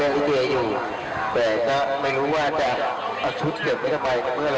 อันนี้ดีกว่า